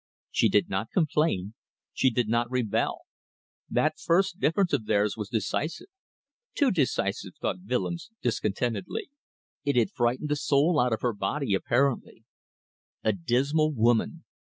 She did not complain, she did not rebel. That first difference of theirs was decisive. Too decisive, thought Willems, discontentedly. It had frightened the soul out of her body apparently. A dismal woman!